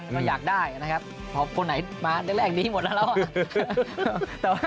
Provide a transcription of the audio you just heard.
เราอยากได้นะครับเพราะคนไหนมาแรกนี้หมดแล้ว